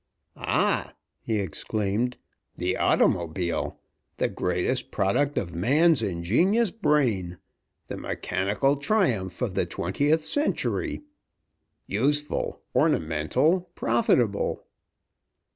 "Ah!" he exclaimed. "The automobile! The greatest product of man's ingenious brain! The mechanical triumph of the twentieth century! Useful, ornamental, profitable!"